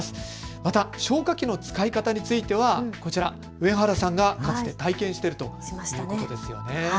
また消火器の使い方については上原さんが体験しているということですね。